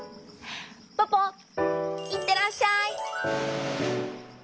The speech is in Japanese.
ポポいってらっしゃい！